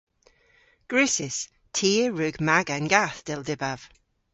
Gwrussys. Ty a wrug maga an gath, dell dybav.